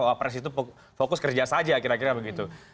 wah pres itu fokus kerja saja kira kira begitu